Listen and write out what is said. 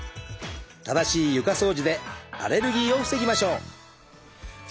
正しい床掃除でアレルギーを防ぎましょう。